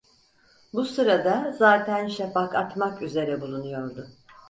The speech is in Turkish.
Bu sırada zaten şafak atmak üzere bulunuyordu.